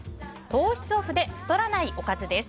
糖質オフで太らないおかずです。